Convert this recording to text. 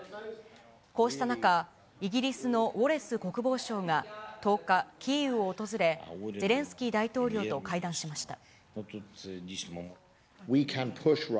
こうした中、イギリスのウォレス国防相が１０日、キーウを訪れ、ゼレンスキー大統領と会談しました。